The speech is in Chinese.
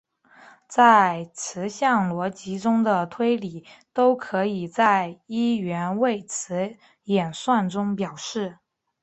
在词项逻辑中的推理都可以在一元谓词演算中表示。